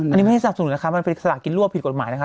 อันนี้ไม่ได้สนับสนุนนะคะมันเป็นสลากกินรวบผิดกฎหมายนะคะ